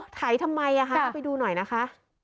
อ้อไถทำไมอ่ะฮะไปดูหน่อยนะคะ